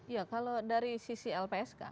ya kalau dari sisi lpsk